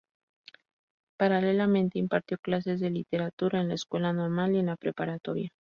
Paralelamente impartió clases de literatura en la Escuela Normal y en la Preparatoria.